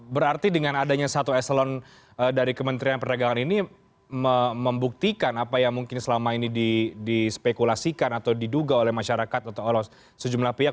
berarti dengan adanya satu eselon dari kementerian perdagangan ini membuktikan apa yang mungkin selama ini dispekulasikan atau diduga oleh masyarakat atau oleh sejumlah pihak